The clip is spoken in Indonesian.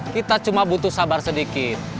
kita cuma butuh sabar sedikit